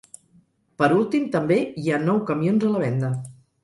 Per últim, també hi ha nou camions a la venda.